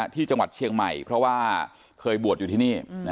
ที่จังหวัดเชียงใหม่เพราะว่าเคยบวชอยู่ที่นี่